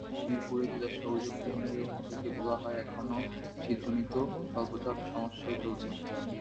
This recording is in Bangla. মিরপুরে তিতাসের অভিযোগ কেন্দ্র থেকে বলা হয়, এখনো শীতজনিত স্বল্পচাপ সমস্যাই চলছে।